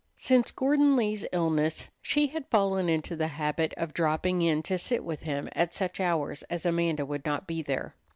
Since Gordon Lee's illness, she had fallen into the habit of dropping in to sit with him at such hours as Amanda would not be there.